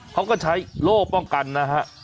เขาก็ใช้โล่ป้องกันนะฮะ